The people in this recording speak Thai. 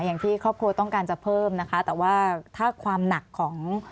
อย่างที่ครอบครัวต้องการจะเพิ่มนะคะแต่ว่าถ้าความหนักของ